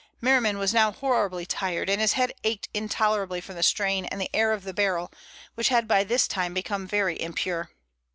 Merriman was now horribly tired, and his head ached intolerably from the strain and the air of the barrel, which had by this time become very impure.